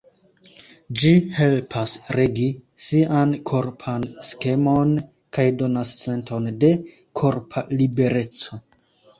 Ĝi helpas regi sian korpan skemon kaj donas senton de korpa libereco.